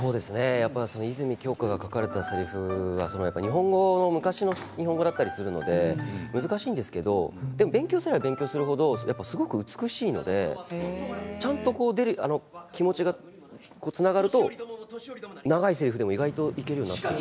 泉鏡花さんが書かれたせりふは日本語は難しいって昔のものだったりして難しいんですけど勉強すればはっとする程美しいので、ちゃんと気持ちがつながると長いせりふでも意外といけるんだと思って。